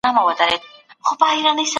د مېوو تازه توب د صحت نښه ده.